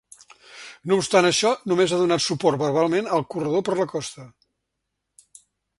No obstant això, només ha donat suport verbalment al corredor per la costa.